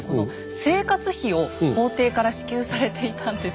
生活費を皇帝から支給されていたんです。